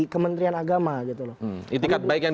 kementerian agama gitu loh itikat baik yang